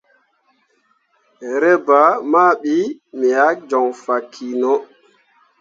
Reba ma ɓii me ah joŋ fah kino.